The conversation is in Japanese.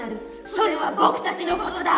それは僕たちの事だ！